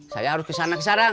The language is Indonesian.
saya harus kesana kesarang